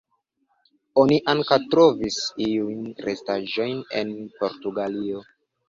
Oni ankaŭ trovis iujn restaĵojn en Portugalio.